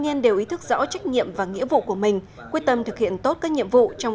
niên đều ý thức rõ trách nhiệm và nghĩa vụ của mình quyết tâm thực hiện tốt các nhiệm vụ trong